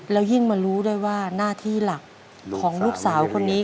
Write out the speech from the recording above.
แล้วยิ่งมารู้ด้วยว่าหน้าที่หลักของลูกสาวคนนี้